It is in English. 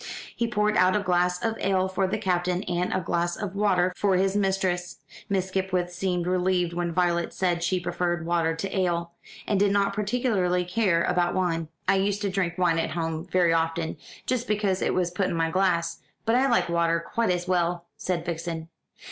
He poured out a glass of ale for the Captain and a glass of water for his mistress. Miss Skipwith seemed relieved when Violet said she preferred water to ale, and did not particularly care about wine. "I used to drink wine at home very often, just because it was put in my glass, but I like water quite as well," said Vixen.